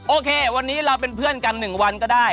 โอเควันนี้เราเป็นเพื่อนกัน๑วันก็ได้